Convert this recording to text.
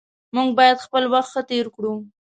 موږ باید خپل وخت ښه تیر کړو